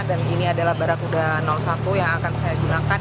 dan ini adalah barakuda satu yang akan saya gunakan